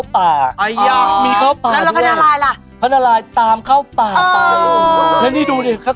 เปลี่ยนแม่นภาคนี้ไงกลาง